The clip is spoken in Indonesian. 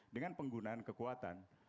dengan penggunaan kekuatan